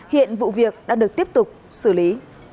hiện vụ việc đã được tiếp tục xử lý